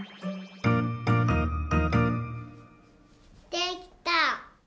できた！